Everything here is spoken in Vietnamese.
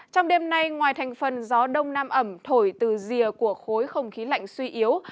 trong đêm nay ngoài thành phần gió đông nam ẩm thổi từ rìa của khối không khí lạnh suy yếu